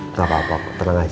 nggak apa apa pak tenang aja